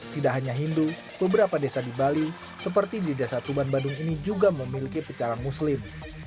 tidak hanya hindu beberapa desa di bali seperti di desa tuban badung ini juga memiliki pecalang muslim